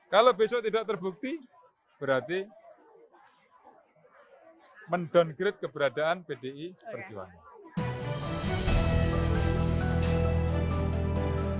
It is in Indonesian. kalau besok tidak terbukti berarti men downgrade ke perusahaan